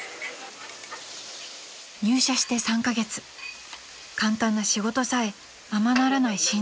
［入社して３カ月簡単な仕事さえままならない